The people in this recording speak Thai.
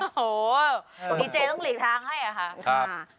โอ้โหดีเจต้องหลีกทางให้อะค่ะ